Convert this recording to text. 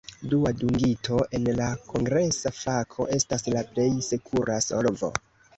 Dua dungito en la kongresa fako estas la plej sekura solvo.